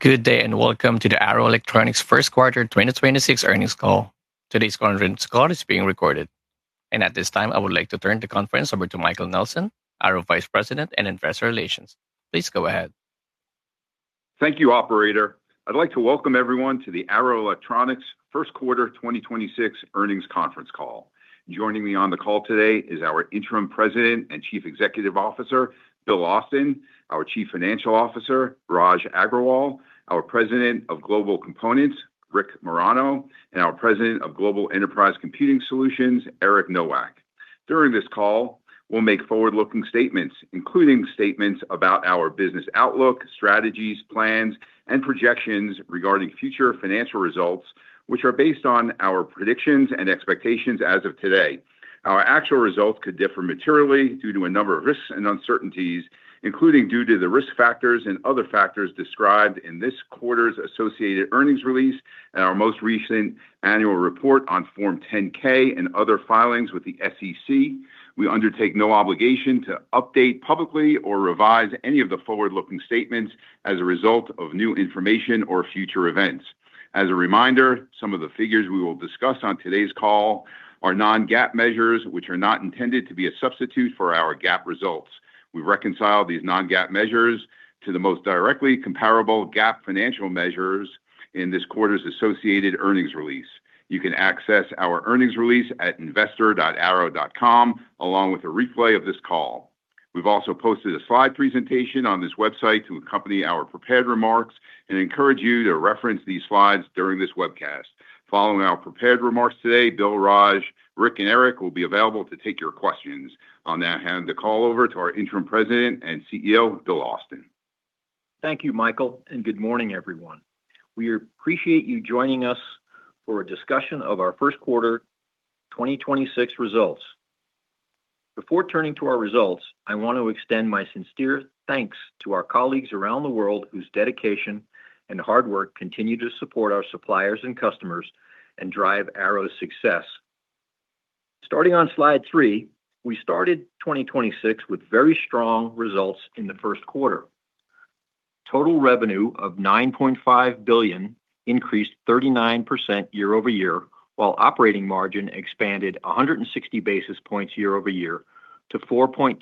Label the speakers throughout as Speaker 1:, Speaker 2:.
Speaker 1: Good day, and welcome to the Arrow Electronics first quarter 2026 earnings call. Today's conference call is being recorded. At this time, I would like to turn the conference over to Michael Nelson, Arrow Vice President and Investor Relations. Please go ahead.
Speaker 2: Thank you, operator. I'd like to welcome everyone to the Arrow Electronics first quarter 2026 earnings conference call. Joining me on the call today is our Interim President and Chief Executive Officer, William Austen, our Chief Financial Officer, Raj Agrawal, our President of Global Components, Rick Marano, and our President of Global Enterprise Computing Solutions, Eric Nowak. During this call, we'll make forward-looking statements, including statements about our business outlook, strategies, plans, and projections regarding future financial results, which are based on our predictions and expectations as of today. Our actual results could differ materially due to a number of risks and uncertainties, including due to the risk factors and other factors described in this quarter's associated earnings release and our most recent annual report on Form 10-K and other filings with the SEC. We undertake no obligation to update publicly or revise any of the forward-looking statements as a result of new information or future events. As a reminder, some of the figures we will discuss on today's call are non-GAAP measures, which are not intended to be a substitute for our GAAP results. We reconcile these non-GAAP measures to the most directly comparable GAAP financial measures in this quarter's associated earnings release. You can access our earnings release at investor.arrow.com, along with a replay of this call. We've also posted a slide presentation on this website to accompany our prepared remarks and encourage you to reference these slides during this webcast. Following our prepared remarks today, Bill, Raj, Rick, and Eric will be available to take your questions. I'll now hand the call over to our Interim President and CEO, William Austen.
Speaker 3: Thank you, Michael, and good morning, everyone. We appreciate you joining us for a discussion of our first quarter 2026 results. Before turning to our results, I want to extend my sincere thanks to our colleagues around the world whose dedication and hard work continue to support our suppliers and customers and drive Arrow's success. Starting on slide 3, we started 2026 with very strong results in the first quarter. Total revenue of $9.5 billion increased 39% year-over-year, while operating margin expanded 160 basis points year-over-year to 4.2%.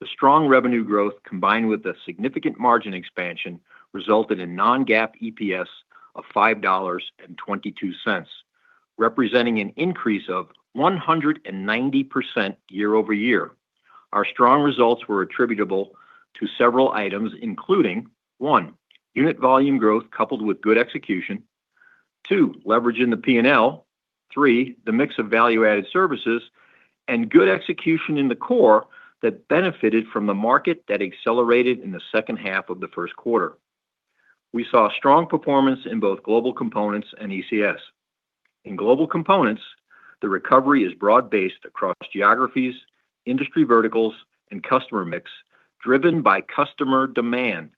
Speaker 3: The strong revenue growth, combined with the significant margin expansion, resulted in non-GAAP EPS of $5.22, representing an increase of 190% year-over-year. Our strong results were attributable to several items, including, 1, unit volume growth coupled with good execution. 2, leverage in the P&L. 3, the mix of value-added services and good execution in the core that benefited from the market that accelerated in the second half of the first quarter. We saw strong performance in both Global Components and ECS. In Global Components, the recovery is broad-based across geographies, industry verticals, and customer mix driven by customer demand.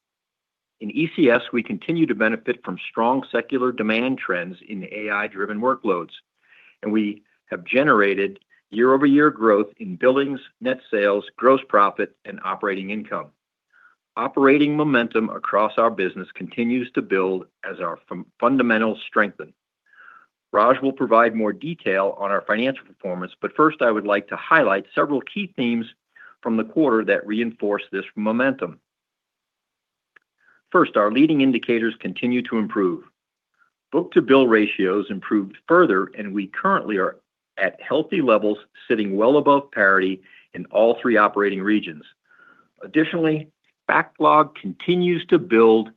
Speaker 3: In ECS, we continue to benefit from strong secular demand trends in AI-driven workloads, and we have generated year-over-year growth in billings, net sales, gross profit and operating income. Operating momentum across our business continues to build as our fundamental strengthen. Raj will provide more detail on our financial performance, but first, I would like to highlight several key themes from the quarter that reinforce this momentum. First, our leading indicators continue to improve. Book-to-bill ratios improved further, and we currently are at healthy levels, sitting well above parity in all three operating regions. Additionally, backlog continues to build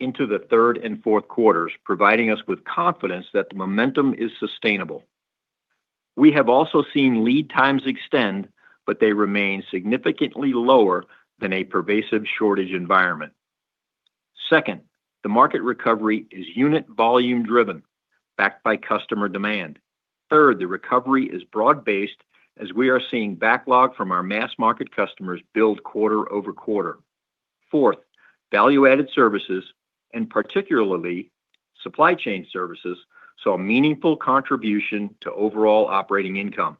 Speaker 3: into the third and fourth quarters, providing us with confidence that the momentum is sustainable. We have also seen lead times extend. They remain significantly lower than a pervasive shortage environment. Second, the market recovery is unit volume-driven, backed by customer demand. Third, the recovery is broad-based, as we are seeing backlog from our mass market customers build quarter-over-quarter. Fourth, value-added services, and particularly supply chain services, saw meaningful contribution to overall operating income.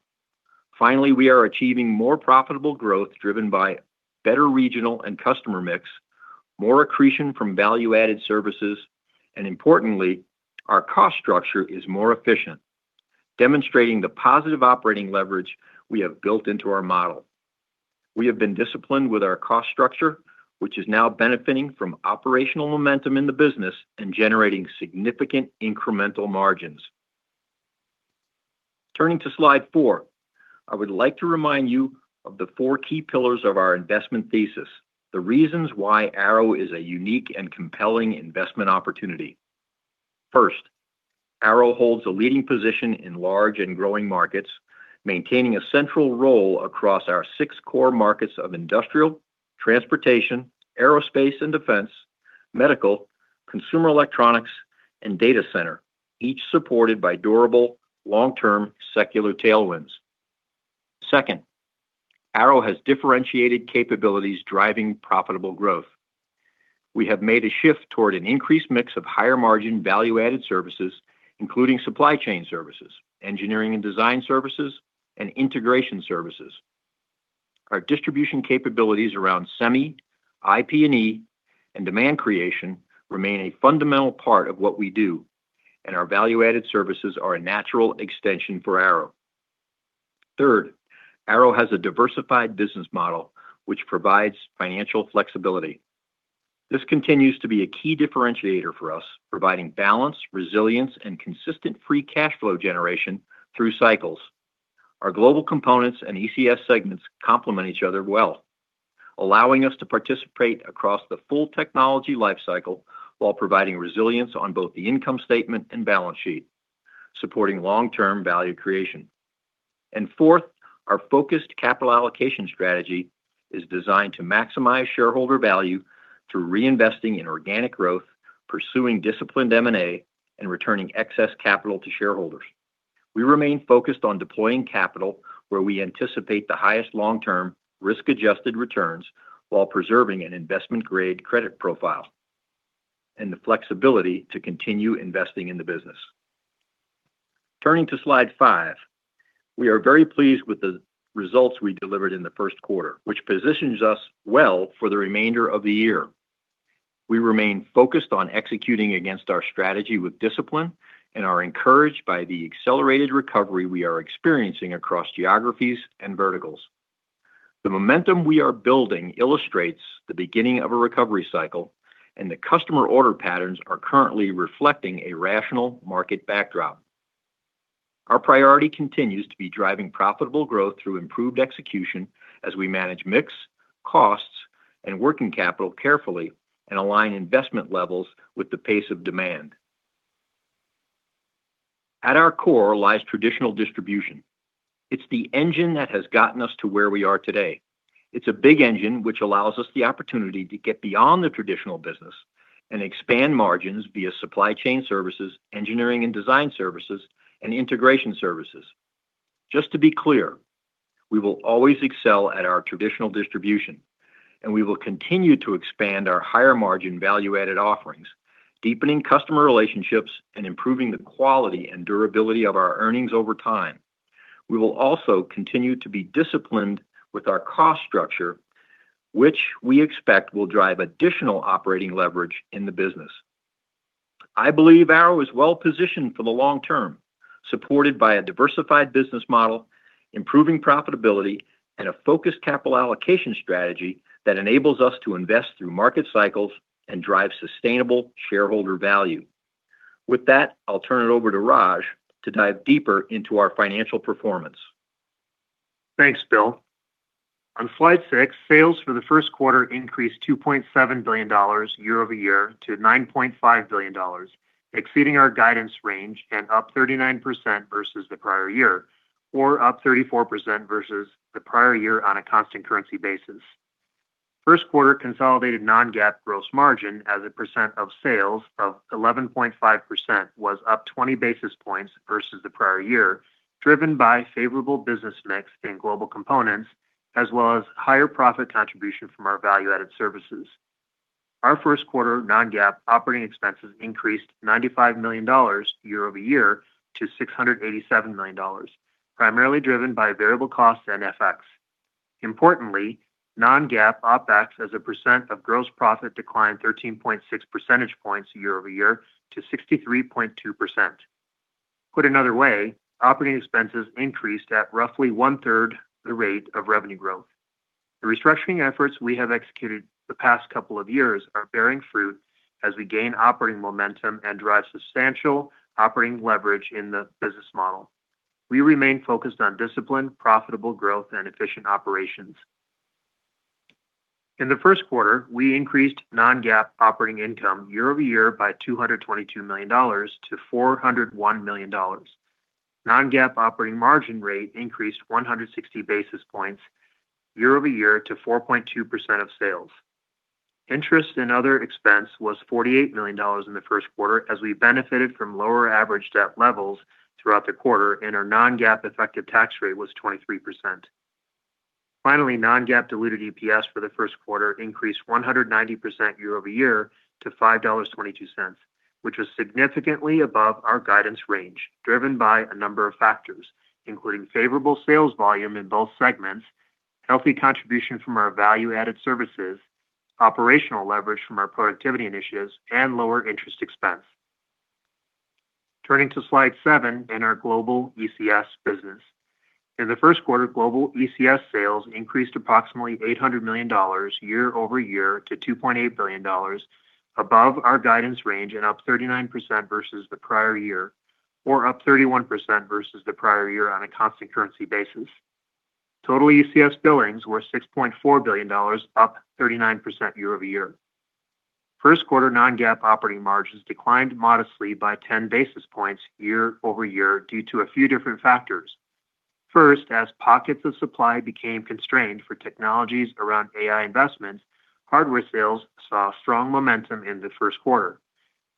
Speaker 3: Finally, we are achieving more profitable growth driven by better regional and customer mix, more accretion from value-added services, and importantly, our cost structure is more efficient, demonstrating the positive operating leverage we have built into our model. We have been disciplined with our cost structure, which is now benefiting from operational momentum in the business and generating significant incremental margins. Turning to slide 4, I would like to remind you of the 4 key pillars of our investment thesis, the reasons why Arrow is a unique and compelling investment opportunity. First, Arrow holds a leading position in large and growing markets, maintaining a central role across our 6 core markets of industrial, transportation, aerospace and defense, medical, consumer electronics, and data center, each supported by durable, long-term secular tailwinds. Second, Arrow has differentiated capabilities driving profitable growth. We have made a shift toward an increased mix of higher-margin value-added services, including supply chain services, engineering and design services, and integration services. Our distribution capabilities around semi, IP&E, and demand creation remain a fundamental part of what we do, and our value-added services are a natural extension for Arrow. Third, Arrow has a diversified business model which provides financial flexibility. This continues to be a key differentiator for us, providing balance, resilience, and consistent free cash flow generation through cycles. Our Global Components and ECS segments complement each other well, allowing us to participate across the full technology life cycle while providing resilience on both the income statement and balance sheet, supporting long-term value creation. Fourth, our focused capital allocation strategy is designed to maximize shareholder value through reinvesting in organic growth, pursuing disciplined M&A, and returning excess capital to shareholders. We remain focused on deploying capital where we anticipate the highest long-term risk-adjusted returns while preserving an investment-grade credit profile and the flexibility to continue investing in the business. Turning to slide 5, we are very pleased with the results we delivered in the first quarter, which positions us well for the remainder of the year. We remain focused on executing against our strategy with discipline and are encouraged by the accelerated recovery we are experiencing across geographies and verticals. The momentum we are building illustrates the beginning of a recovery cycle, and the customer order patterns are currently reflecting a rational market backdrop. Our priority continues to be driving profitable growth through improved execution as we manage mix, costs, and working capital carefully and align investment levels with the pace of demand. At our core lies traditional distribution. It's the engine that has gotten us to where we are today. It's a big engine which allows us the opportunity to get beyond the traditional business and expand margins via supply chain services, engineering and design services, and integration services. Just to be clear, we will always excel at our traditional distribution, and we will continue to expand our higher-margin value-added offerings, deepening customer relationships and improving the quality and durability of our earnings over time. We will also continue to be disciplined with our cost structure, which we expect will drive additional operating leverage in the business. I believe Arrow is well-positioned for the long term, supported by a diversified business model, improving profitability, and a focused capital allocation strategy that enables us to invest through market cycles and drive sustainable shareholder value. With that, I'll turn it over to Raj to dive deeper into our financial performance.
Speaker 4: Thanks, Bill. On slide 6, sales for the first quarter increased $2.7 billion year-over-year to $9.5 billion, exceeding our guidance range and up 39% versus the prior year or up 34% versus the prior year on a constant currency basis. First quarter consolidated non-GAAP gross margin as a percent of sales of 11.5% was up 20 basis points versus the prior year, driven by favorable business mix in Global Components as well as higher profit contribution from our value-added services. Our first quarter non-GAAP operating expenses increased $95 million year-over-year to $687 million, primarily driven by variable costs and FX. Importantly, non-GAAP OpEx as a percent of gross profit declined 13.6 percentage points year-over-year to 63.2%. Put another way, operating expenses increased at roughly one-third the rate of revenue growth. The restructuring efforts we have executed the past couple of years are bearing fruit as we gain operating momentum and drive substantial operating leverage in the business model. We remain focused on disciplined, profitable growth and efficient operations. In the first quarter, we increased non-GAAP operating income year-over-year by $222 million- $401 million. Non-GAAP operating margin rate increased 160 basis points year-over-year to 4.2% of sales. Interest and other expense was $48 million in the first quarter, as we benefited from lower average debt levels throughout the quarter, and our non-GAAP effective tax rate was 23%. Finally, non-GAAP diluted EPS for the first quarter increased 190% year-over-year to $5.22, which was significantly above our guidance range, driven by a number of factors, including favorable sales volume in both segments, healthy contribution from our value-added services, operational leverage from our productivity initiatives, and lower interest expense. Turning to slide 7 in our Global ECS business. In the first quarter, Global ECS sales increased approximately $800 million year-over-year to $2.8 billion, above our guidance range and up 39% versus the prior year or up 31% versus the prior year on a constant currency basis. Total ECS billings were $6.4 billion, up 39% year-over-year. First quarter non-GAAP operating margins declined modestly by 10 basis points year-over-year due to a few different factors. First, as pockets of supply became constrained for technologies around AI investments, hardware sales saw strong momentum in the first quarter.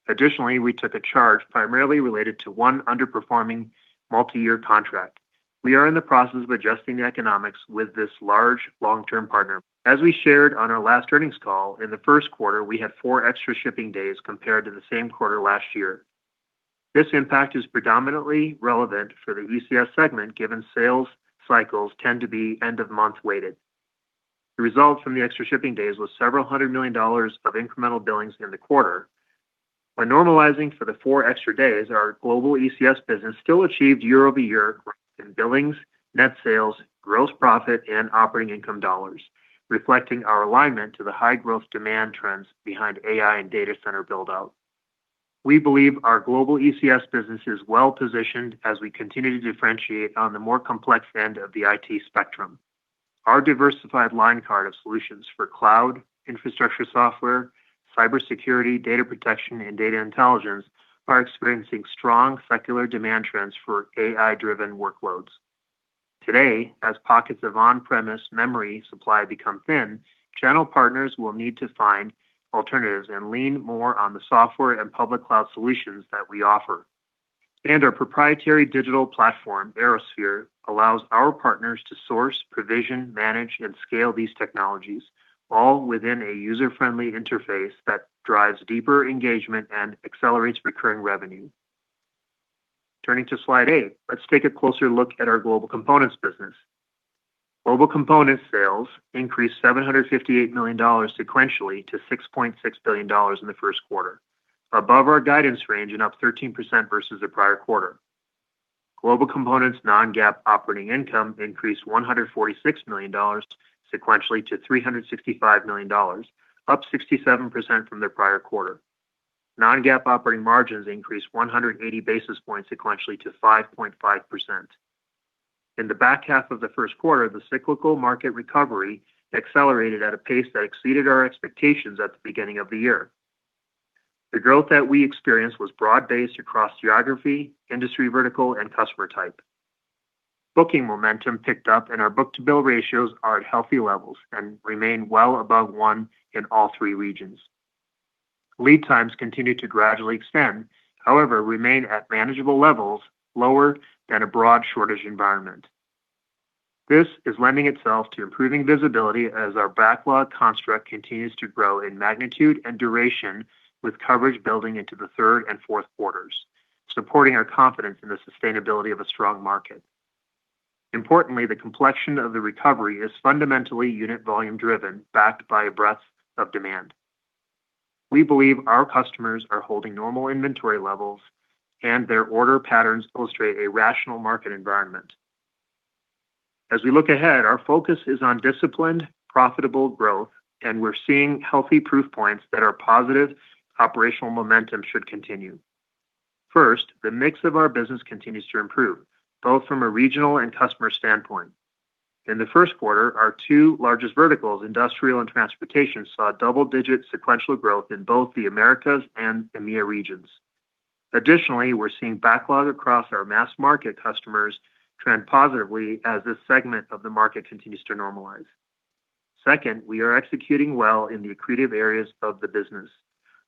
Speaker 4: Additionally, we took a charge primarily related to 1 underperforming multi-year contract. We are in the process of adjusting the economics with this large long-term partner. As we shared on our last earnings call, in the first quarter, we had 4 extra shipping days compared to the same quarter last year. This impact is predominantly relevant for the ECS segment, given sales cycles tend to be end-of-month weighted. The result from the extra shipping days was $ several hundred million of incremental billings in the quarter. By normalizing for the 4 extra days, our global ECS business still achieved year-over-year growth in billings, net sales, gross profit, and operating income dollars, reflecting our alignment to the high-growth demand trends behind AI and data center build-out. We believe our Global ECS business is well-positioned as we continue to differentiate on the more complex end of the IT spectrum. Our diversified line card of solutions for cloud infrastructure software, cybersecurity, data protection, and data intelligence are experiencing strong secular demand trends for AI-driven workloads. Today, as pockets of on-premise memory supply become thin, channel partners will need to find alternatives and lean more on the software and public cloud solutions that we offer. Our proprietary digital platform, ArrowSphere, allows our partners to source, provision, manage, and scale these technologies, all within a user-friendly interface that drives deeper engagement and accelerates recurring revenue. Turning to slide 8, let's take a closer look at our Global Components business. Global Components sales increased $758 million sequentially to $6.6 billion in the first quarter, above our guidance range and up 13% versus the prior quarter. Global Components non-GAAP operating income increased $146 million sequentially to $365 million, up 67% from the prior quarter. non-GAAP operating margins increased 180 basis points sequentially to 5.5%. In the back half of the first quarter, the cyclical market recovery accelerated at a pace that exceeded our expectations at the beginning of the year. The growth that we experienced was broad-based across geography, industry vertical, and customer type. Booking momentum picked up and our book-to-bill ratios are at healthy levels and remain well above 1 in all 3 regions. Lead times continue to gradually extend, however, remain at manageable levels lower than a broad shortage environment. This is lending itself to improving visibility as our backlog construct continues to grow in magnitude and duration with coverage building into the third and fourth quarters, supporting our confidence in the sustainability of a strong market. Importantly, the complexion of the recovery is fundamentally unit volume driven, backed by a breadth of demand. We believe our customers are holding normal inventory levels, and their order patterns illustrate a rational market environment. As we look ahead, our focus is on disciplined, profitable growth, and we're seeing healthy proof points that our positive operational momentum should continue. First, the mix of our business continues to improve, both from a regional and customer standpoint. In the first quarter, our two largest verticals, industrial and transportation, saw double-digit sequential growth in both the Americas and EMEA regions. We're seeing backlog across our mass market customers trend positively as this segment of the market continues to normalize. We are executing well in the accretive areas of the business.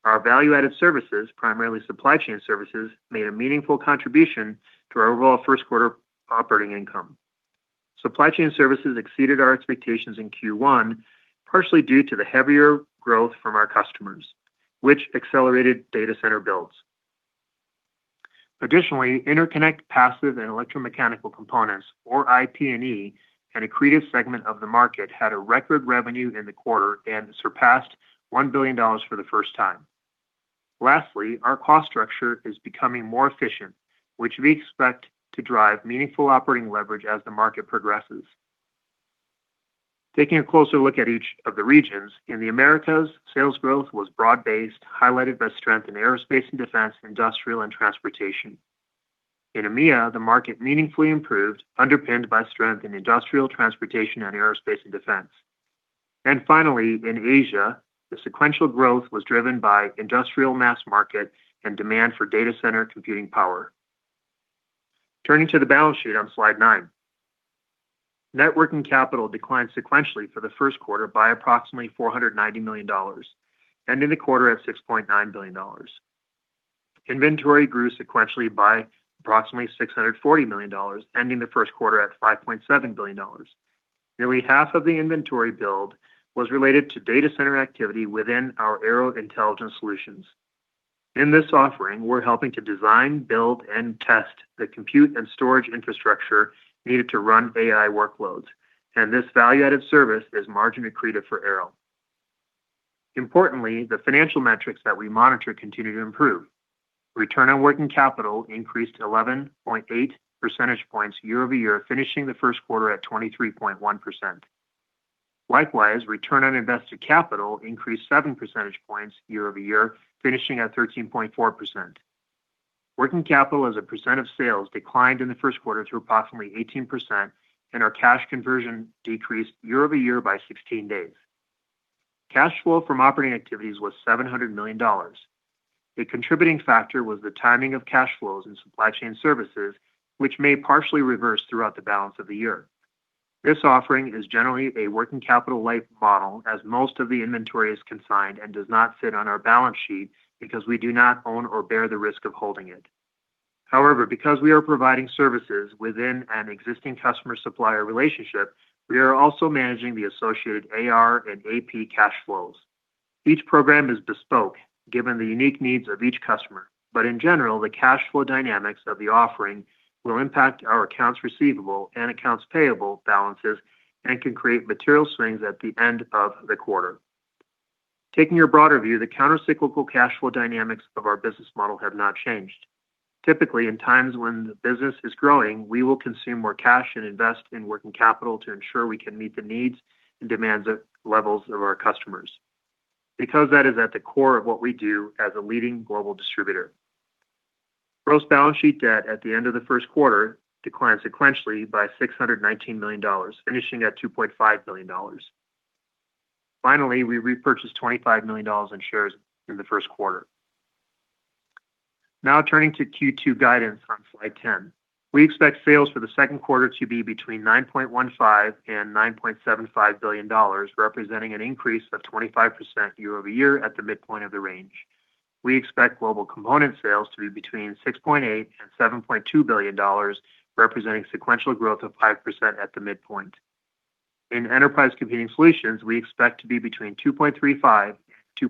Speaker 4: Our value-added services, primarily supply chain services, made a meaningful contribution to our overall first quarter operating income. Supply chain services exceeded our expectations in Q1, partially due to the heavier growth from our customers, which accelerated data center builds. Interconnect, passive, and electromechanical components, or IP&E, an accretive segment of the market, had a record revenue in the quarter and surpassed $1 billion for the first time. Our cost structure is becoming more efficient, which we expect to drive meaningful operating leverage as the market progresses. Taking a closer look at each of the regions, in the Americas, sales growth was broad-based, highlighted by strength in aerospace and defense, industrial, and transportation. In EMEA, the market meaningfully improved, underpinned by strength in industrial, transportation, and aerospace and defense. Finally, in Asia, the sequential growth was driven by industrial, mass market, and demand for data center computing power. Turning to the balance sheet on slide nine. Net working capital declined sequentially for the first quarter by approximately $490 million, ending the quarter at $6.9 billion. Inventory grew sequentially by approximately $640 million, ending the first quarter at $5.7 billion. Nearly half of the inventory build was related to data center activity within our Arrow Intelligent Solutions. In this offering, we're helping to design, build, and test the compute and storage infrastructure needed to run AI workloads, and this value-added service is margin accretive for Arrow. Importantly, the financial metrics that we monitor continue to improve. Return on working capital increased 11.8 percentage points year-over-year, finishing the first quarter at 23.1%. Likewise, return on invested capital increased 7 percentage points year-over-year, finishing at 13.4%. Working capital as a percent of sales declined in the first quarter to approximately 18%, and our cash conversion decreased year-over-year by 16 days. Cash flow from operating activities was $700 million. The contributing factor was the timing of cash flows in supply chain services, which may partially reverse throughout the balance of the year. This offering is generally a working capital-light model, as most of the inventory is consigned and does not sit on our balance sheet because we do not own or bear the risk of holding it. However, because we are providing services within an existing customer-supplier relationship, we are also managing the associated AR and AP cash flows. Each program is bespoke given the unique needs of each customer. In general, the cash flow dynamics of the offering will impact our accounts receivable and accounts payable balances, and can create material swings at the end of the quarter. Taking a broader view, the countercyclical cash flow dynamics of our business model have not changed. Typically, in times when the business is growing, we will consume more cash and invest in working capital to ensure we can meet the needs and demands of levels of our customers. Because that is at the core of what we do as a leading global distributor. Gross balance sheet debt at the end of the first quarter declined sequentially by $619 million, finishing at $2.5 billion. We repurchased $25 million in shares in the first quarter. Turning to Q2 guidance on slide 10. We expect sales for the second quarter to be between $9.15 billion and $9.75 billion, representing an increase of 25% year-over-year at the midpoint of the range. We expect Global Components sales to be between $6.8 billion and $7.2 billion, representing sequential growth of 5% at the midpoint. In Global Enterprise Computing Solutions, we expect to be between $2.35 billion and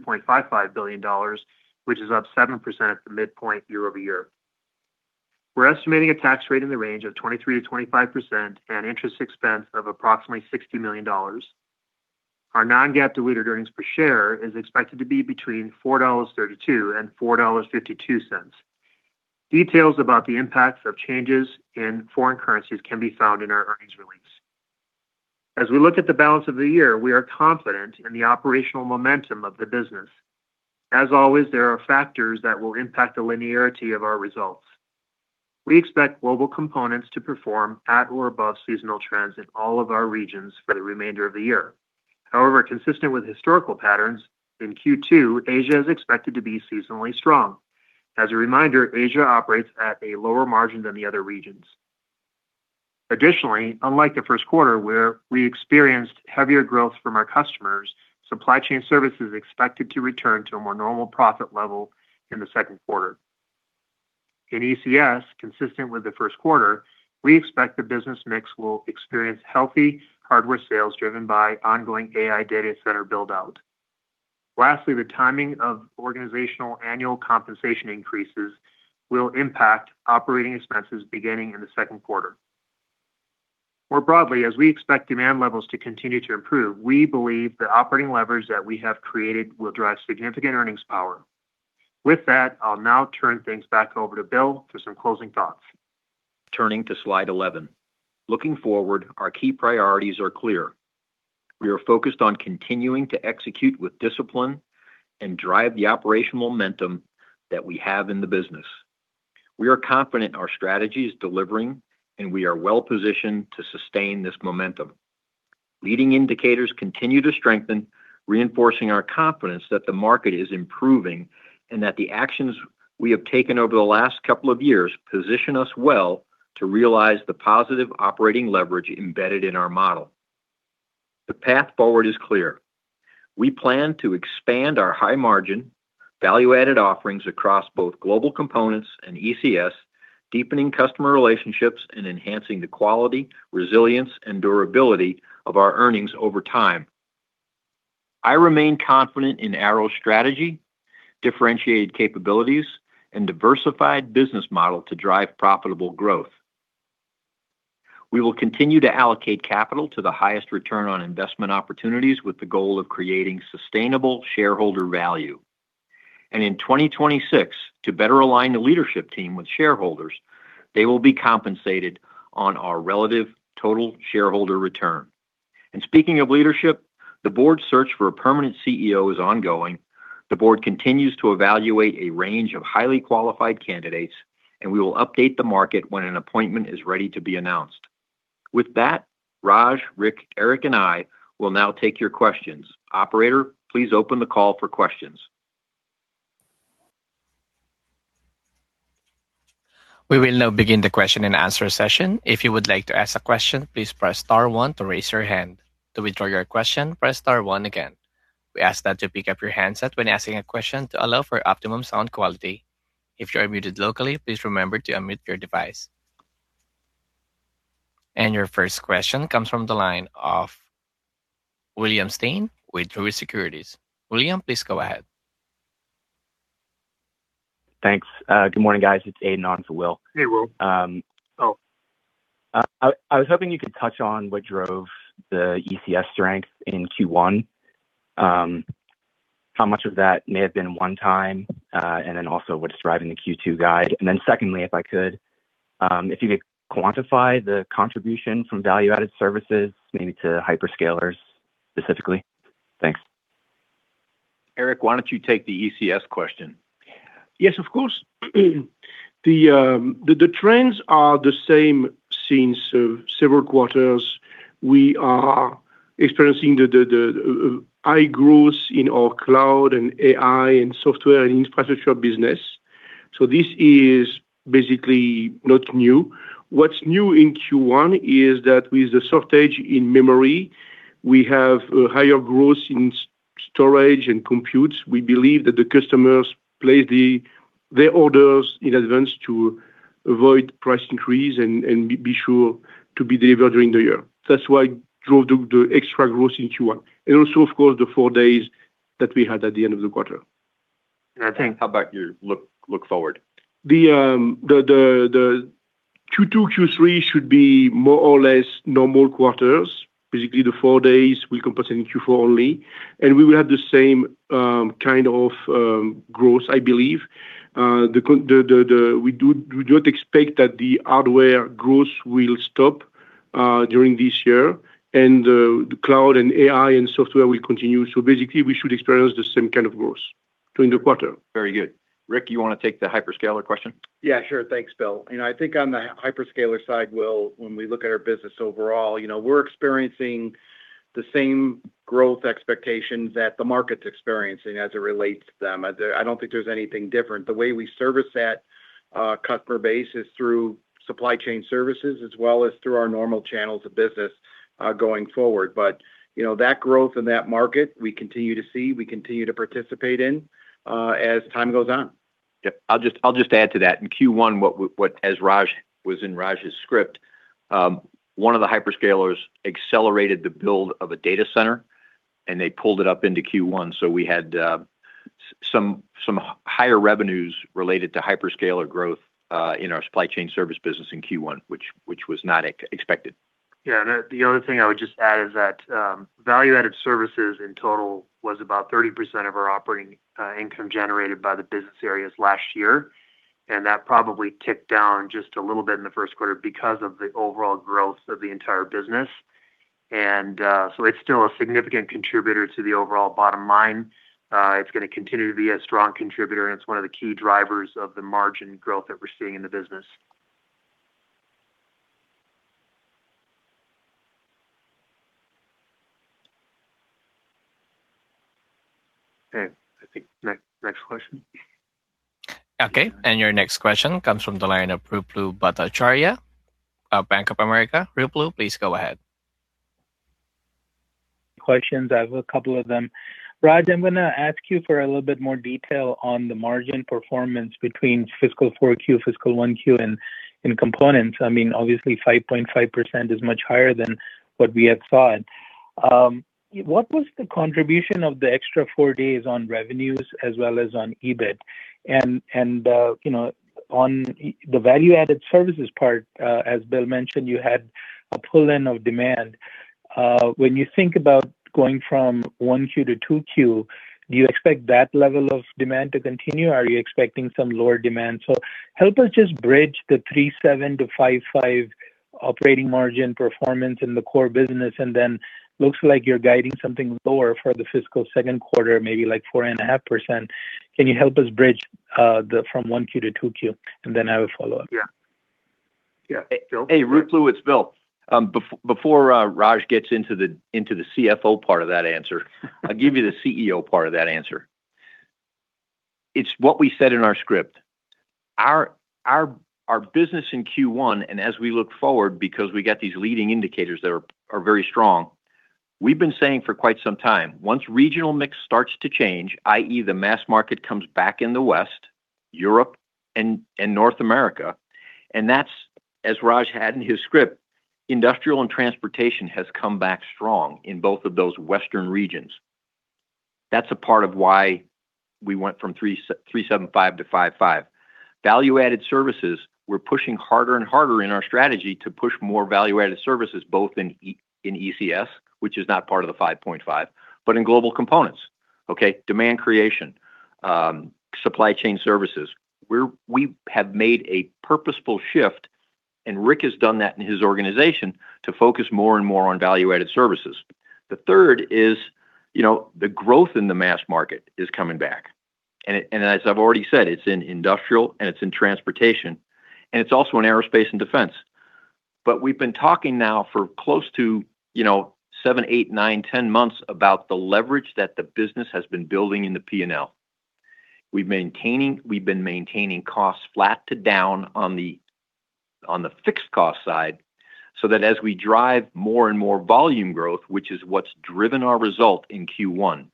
Speaker 4: $2.55 billion, which is up 7% at the midpoint year-over-year. We're estimating a tax rate in the range of 23%-25% and interest expense of approximately $60 million. Our non-GAAP diluted earnings per share is expected to be between $4.32 and $4.52. Details about the impacts of changes in foreign currencies can be found in our earnings release. As we look at the balance of the year, we are confident in the operational momentum of the business. As always, there are factors that will impact the linearity of our results. We expect Global Components to perform at or above seasonal trends in all of our regions for the remainder of the year. However, consistent with historical patterns, in Q2, Asia is expected to be seasonally strong. As a reminder, Asia operates at a lower margin than the other regions. Additionally, unlike the first quarter where we experienced heavier growth from our customers, supply chain services are expected to return to a more normal profit level in the second quarter. In ECS, consistent with the first quarter, we expect the business mix will experience healthy hardware sales driven by ongoing AI data center build-out. Lastly, the timing of organizational annual compensation increases will impact operating expenses beginning in the second quarter. More broadly, as we expect demand levels to continue to improve, we believe the operating leverage that we have created will drive significant earnings power. With that, I'll now turn things back over to Bill for some closing thoughts.
Speaker 3: Turning to slide eleven. Looking forward, our key priorities are clear. We are focused on continuing to execute with discipline and drive the operational momentum that we have in the business. We are confident our strategy is delivering, and we are well-positioned to sustain this momentum. Leading indicators continue to strengthen, reinforcing our confidence that the market is improving, and that the actions we have taken over the last couple of years position us well to realize the positive operating leverage embedded in our model. The path forward is clear. We plan to expand our high margin, value-added offerings across both Global Components and ECS, deepening customer relationships and enhancing the quality, resilience, and durability of our earnings over time. I remain confident in Arrow's strategy, differentiated capabilities, and diversified business model to drive profitable growth. We will continue to allocate capital to the highest return on investment opportunities with the goal of creating sustainable shareholder value. In 2026, to better align the leadership team with shareholders, they will be compensated on our relative total shareholder return. Speaking of leadership, the board's search for a permanent CEO is ongoing. The board continues to evaluate a range of highly qualified candidates, and we will update the market when an appointment is ready to be announced. With that, Raj, Rick, Eric, and I will now take your questions. Operator, please open the call for questions.
Speaker 1: We will now begin the question and answer session. If you would like to ask a question, please press star one to raise your hand. To withdraw your question, press star one again. We ask that you pick up your handset when asking a question to allow for optimum sound quality. If you are muted locally, please remember to unmute your device. Your first question comes from the line of William Stein with Truist Securities. William, please go ahead.
Speaker 5: Thanks. Good morning, guys. It's Aidan on for Will.
Speaker 4: Hey, Will. Um- Hello.
Speaker 5: I was hoping you could touch on what drove the ECS strength in Q1, how much of that may have been one time, and then also what's driving the Q2 guide? Secondly, if I could, if you could quantify the contribution from value-added services, maybe to hyperscalers specifically? Thanks.
Speaker 3: Eric, why don't you take the ECS question?
Speaker 6: Yes, of course. The trends are the same since several quarters. We are experiencing high growth in our cloud and AI and software and infrastructure business. This is basically not new. What's new in Q1 is that with the shortage in memory, we have higher growth in storage and compute. We believe that the customers place their orders in advance to avoid price increase and be sure to be delivered during the year. That's why drove the extra growth in Q1. Also, of course, the four days that we had at the end of the quarter.
Speaker 4: And I think-
Speaker 3: How about your look forward?
Speaker 6: The Q2, Q3 should be more or less normal quarters. Basically, the four days will compensate in Q4 only, we will have the same kind of growth, I believe. We don't expect that the hardware growth will stop during this year. The cloud and AI and software will continue. Basically, we should experience the same kind of growth during the quarter.
Speaker 3: Very good. Rick, you wanna take the hyperscaler question?
Speaker 7: Sure. Thanks, Bill. You know, I think on the hyperscaler side, Will, when we look at our business overall, you know, we're experiencing the same growth expectations that the market's experiencing as it relates to them. I don't think there's anything different. The way we service that customer base is through supply chain services as well as through our normal channels of business going forward. You know, that growth in that market, we continue to see, we continue to participate in as time goes on.
Speaker 3: Yeah. I'll just add to that. In Q1, as Raj was in Raj's script, one of the hyperscalers accelerated the build of a data center, and they pulled it up into Q1, so we had some higher revenues related to hyperscaler growth in our supply chain service business in Q1 which was not expected.
Speaker 4: The other thing I would just add is that value-added services in total was about 30% of our operating income generated by the business areas last year. That probably ticked down just a little bit in the first quarter because of the overall growth of the entire business. It's still a significant contributor to the overall bottom line. It's gonna continue to be a strong contributor, and it's one of the key drivers of the margin growth that we're seeing in the business.
Speaker 6: Okay. I think next question.
Speaker 1: Okay. Your next question comes from the line of Ruplu Bhattacharya of Bank of America. Ruplu, please go ahead.
Speaker 8: Questions, I have a couple of them. Raj, I'm gonna ask you for a little bit more detail on the margin performance between fiscal four Q, fiscal one Q in components. I mean, obviously, 5.5% is much higher than what we had thought. What was the contribution of the extra four days on revenues as well as on EBIT? You know, on the value-added services part, as Bill mentioned, you had a pull-in of demand. When you think about going from Q1 to Q2, do you expect that level of demand to continue? Are you expecting some lower demand? Help us just bridge the 3.7%-5.5% operating margin performance in the core business, and then looks like you're guiding something lower for the fiscal second quarter, maybe like 4.5%. Can you help us bridge, the from Q1 to Q2? I have a follow-up.
Speaker 4: Yeah. Yeah.
Speaker 3: Hey, Ruplu, it's Bill. Before Raj gets into the CFO part of that answer, I'll give you the CEO part of that answer. It's what we said in our script. Our business in Q1, and as we look forward, because we got these leading indicators that are very strong, we've been saying for quite some time, once regional mix starts to change, i.e., the mass market comes back in the West, Europe and North America, and that's as Raj had in his script, industrial and transportation has come back strong in both of those Western regions. That's a part of why we went from 375 to 55. Value-added services, we're pushing harder and harder in our strategy to push more value-added services, both in ECS, which is not part of the 5.5, but in Global Components. Okay? Demand creation, supply chain services. We have made a purposeful shift, and Rick has done that in his organization, to focus more and more on value-added services. The third is, you know, the growth in the mass market is coming back. As I've already said, it's in industrial, it's in transportation, and it's also in aerospace and defense. We've been talking now for close to, you know, 7, 8, 9, 10 months about the leverage that the business has been building in the P&L. We've been maintaining costs flat to down on the, on the fixed cost side, so that as we drive more and more volume growth, which is what's driven our result in Q1,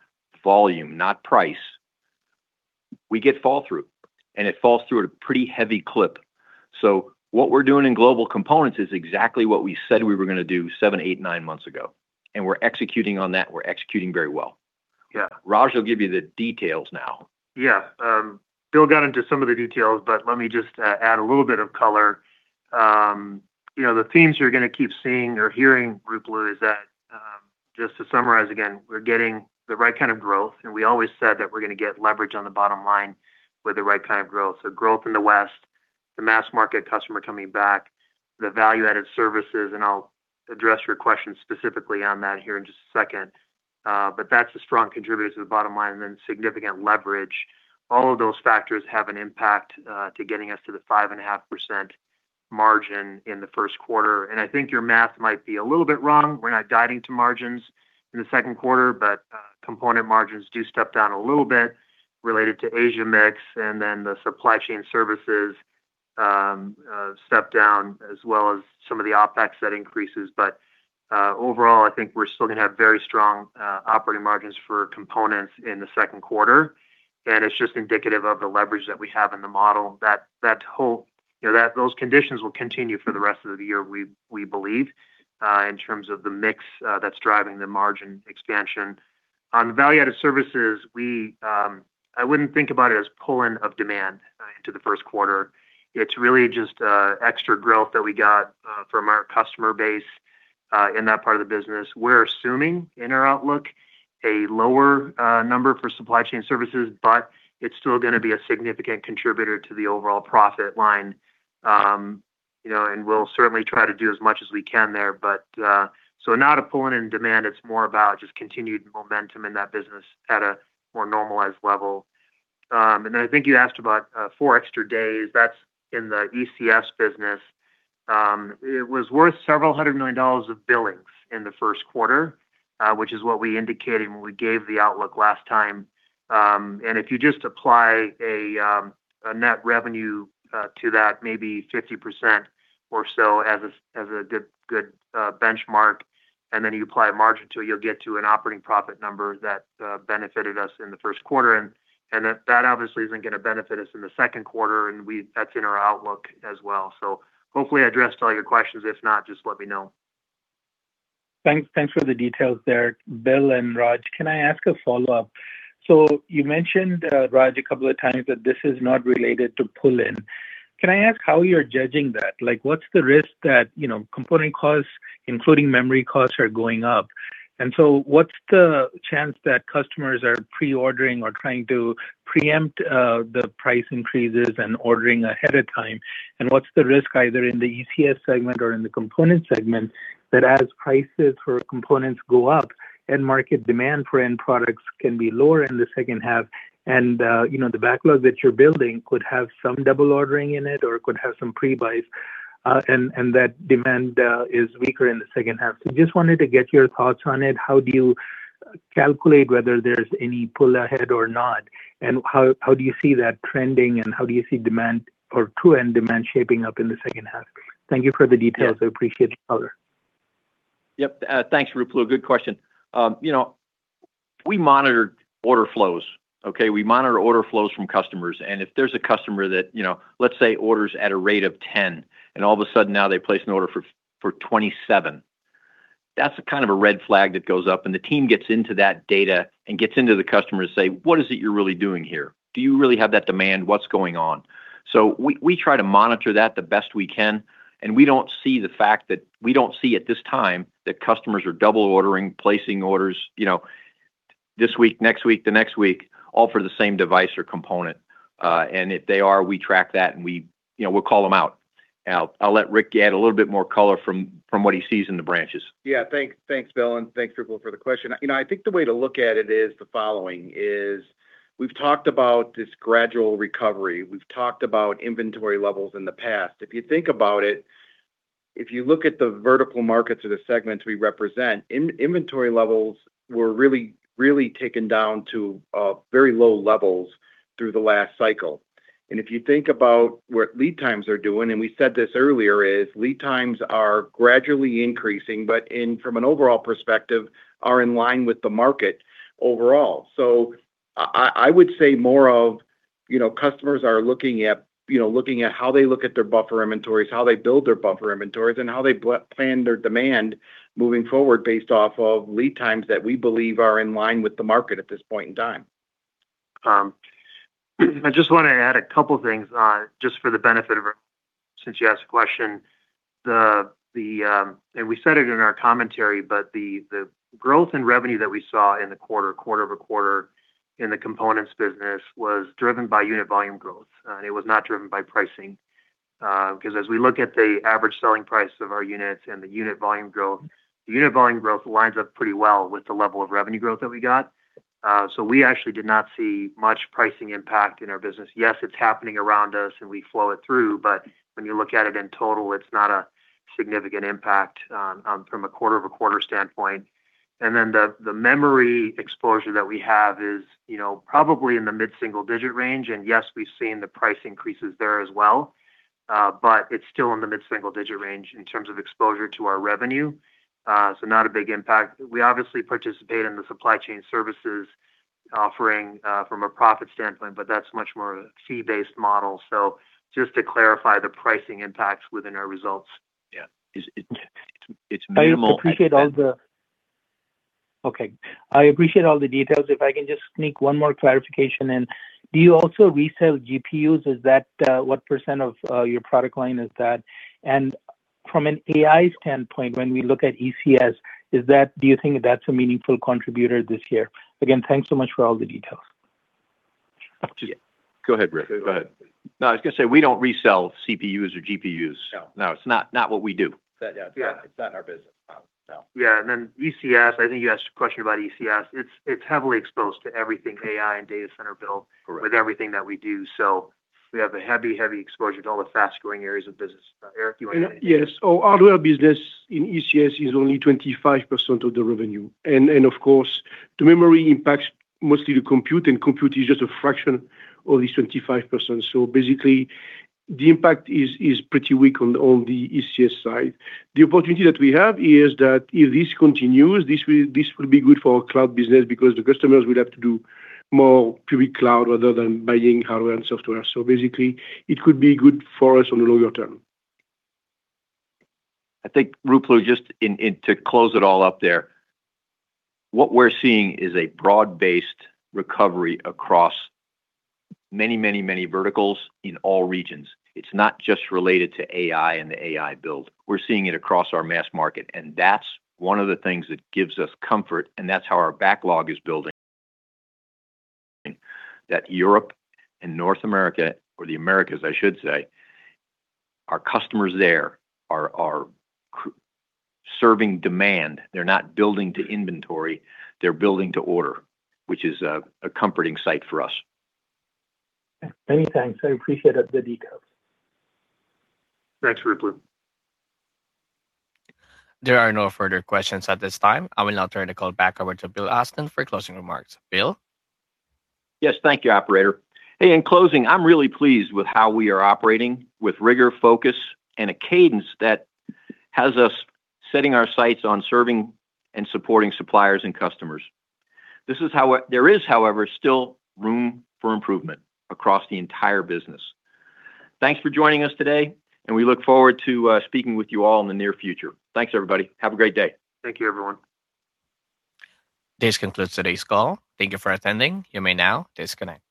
Speaker 3: volume, not price, we get fall through, and it falls through at a pretty heavy clip. What we're doing in Global Components is exactly what we said we were gonna do 7, 8, 9 months ago, and we're executing on that. We're executing very well.
Speaker 4: Yeah.
Speaker 3: Raj will give you the details now.
Speaker 4: Yeah. William Austen got into some of the details. Let me just add a little bit of color. You know, the themes you're going to keep seeing or hearing, Ruplu, is that, just to summarize again, we're getting the right kind of growth. We always said that we're going to get leverage on the bottom line with the right kind of growth. Growth in the West, the mass market customer coming back, the value-added services. I will address your question specifically on that here in just a second. That is a strong contributor to the bottom line, significant leverage. All of those factors have an impact to getting us to the 5.5% margin in the first quarter. I think your math might be a little bit wrong. We're not guiding to margins in the second quarter, but component margins do step down a little bit related to Asia mix and then the supply chain services step down as well as some of the OpEx that increases. Overall, I think we're still gonna have very strong operating margins for components in the second quarter, and it's just indicative of the leverage that we have in the model that whole you know, that those conditions will continue for the rest of the year, we believe, in terms of the mix that's driving the margin expansion. On the value-added services, we wouldn't think about it as pull-in of demand into the first quarter. It's really just extra growth that we got from our customer base in that part of the business. We're assuming in our outlook a lower number for supply chain services, but it's still gonna be a significant contributor to the overall profit line. You know, we'll certainly try to do as much as we can there, but not a pull-in in demand, it's more about just continued momentum in that business at a more normalized level. I think you asked about four extra days. That's in the ECS business. It was worth several hundred million dollars of billings in the first quarter, which is what we indicated when we gave the outlook last time. If you just apply a net revenue to that, maybe 50% or so as a good benchmark, and then you apply a margin to it, you'll get to an operating profit number that benefited us in the first quarter. That obviously isn't gonna benefit us in the second quarter, and that's in our outlook as well. Hopefully I addressed all your questions. If not, just let me know.
Speaker 8: Thanks. Thanks for the details there, Bill and Raj. Can I ask a follow-up? You mentioned, Raj, a couple of times that this is not related to pull-in. Can I ask how you're judging that? Like, what's the risk that, you know, component costs, including memory costs, are going up? What's the chance that customers are pre-ordering or trying to preempt the price increases and ordering ahead of time? What's the risk either in the Global Enterprise Computing Solutions segment or in the Global Components segment that as prices for components go up, end market demand for end products can be lower in the second half and, you know, the backlog that you're building could have some double ordering in it, or it could have some pre-buys, and that demand is weaker in the second half. Just wanted to get your thoughts on it. How do you calculate whether there's any pull ahead or not, and how do you see that trending, and how do you see demand or true end demand shaping up in the second half? Thank you for the details. I appreciate your color.
Speaker 3: Yep. Thanks, Ruplu. Good question. You know, we monitor order flows, okay? We monitor order flows from customers, if there's a customer that, you know, let's say, orders at a rate of 10, all of a sudden now they place an order for 27, that's a kind of a red flag that goes up, the team gets into that data and gets into the customer to say, "What is it you're really doing here? Do you really have that demand? What's going on?" We try to monitor that the best we can, we don't see at this time that customers are double ordering, placing orders, you know, this week, next week, the next week, all for the same device or component. If they are, we track that and we, you know, we'll call them out. I'll let Rick add a little bit more color from what he sees in the branches.
Speaker 7: Thank, thanks, Bill, and thanks, Ruplu, for the question. You know, I think the way to look at it is the following, is we've talked about this gradual recovery. We've talked about inventory levels in the past. If you think about it, if you look at the vertical markets or the segments we represent, inventory levels were really taken down to very low levels through the last cycle. If you think about what lead times are doing, and we said this earlier, is lead times are gradually increasing, but in, from an overall perspective, are in line with the market overall. I would say more of, you know, customers are looking at, you know, looking at how they look at their buffer inventories, how they build their buffer inventories, and how they plan their demand moving forward based off of lead times that we believe are in line with the market at this point in time.
Speaker 4: I just wanna add a couple things, just for the benefit of everyone since you asked the question. We said it in our commentary, but the growth in revenue that we saw in the quarter-over-quarter in the Components business was driven by unit volume growth. It was not driven by pricing, because as we look at the average selling price of our units and the unit volume growth, the unit volume growth lines up pretty well with the level of revenue growth that we got. We actually did not see much pricing impact in our business. Yes, it's happening around us, and we flow it through, but when you look at it in total, it's not a significant impact from a quarter-over-quarter standpoint. The memory exposure that we have is, you know, probably in the mid-single digit range, and yes, we've seen the price increases there as well. It's still in the mid-single digit range in terms of exposure to our revenue, not a big impact. We obviously participate in the supply chain services offering from a profit standpoint, that's much more a fee-based model. Just to clarify the pricing impacts within our results.
Speaker 3: Yeah. It's minimal at best.
Speaker 8: I appreciate all the details. If I can just sneak one more clarification in. Do you also resell GPUs? Is that, what % of your product line is that? From an AI standpoint, when we look at ECS, do you think that's a meaningful contributor this year? Again, thanks so much for all the details.
Speaker 4: Yeah. Go ahead, Rick.
Speaker 7: Go ahead. No, I was gonna say, we don't resell CPUs or GPUs.
Speaker 4: No.
Speaker 7: No, it's not what we do.
Speaker 4: That, yeah.
Speaker 7: Yeah. It's not our business model. Yeah, ECS, I think you asked a question about ECS. It's heavily exposed to everything AI and data center build-
Speaker 3: Correct
Speaker 7: with everything that we do. We have a heavy exposure to all the fast-growing areas of business. Eric, do you want to add anything?
Speaker 6: Yes. Our hardware business in ECS is only 25% of the revenue. Of course, the memory impacts mostly the compute, and compute is just a fraction of this 25%. Basically, the impact is pretty weak on the ECS side. The opportunity that we have here is that if this continues, this will be good for our cloud business because the customers will have to do more public cloud rather than buying hardware and software. Basically, it could be good for us on the longer term.
Speaker 3: I think, Ruplu, just in to close it all up there, what we're seeing is a broad-based recovery across many verticals in all regions. It's not just related to AI and the AI build. We're seeing it across our mass market, and that's one of the things that gives us comfort, and that's how our backlog is building, that Europe and North America, or the Americas, I should say, our customers there are serving demand. They're not building to inventory. They're building to order, which is a comforting sight for us.
Speaker 8: Many thanks. I appreciate the details.
Speaker 3: Thanks, Ruplu.
Speaker 1: There are no further questions at this time. I will now turn the call back over to William Austen for closing remarks. Bill?
Speaker 3: Yes, thank you, operator. Hey, in closing, I'm really pleased with how we are operating with rigor, focus, and a cadence that has us setting our sights on serving and supporting suppliers and customers. There is, however, still room for improvement across the entire business. Thanks for joining us today. We look forward to speaking with you all in the near future. Thanks, everybody. Have a great day.
Speaker 4: Thank you, everyone.
Speaker 1: This concludes today's call. Thank you for attending. You may now disconnect.